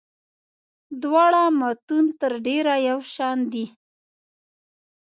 دواړه متون تر ډېره یو شان دي.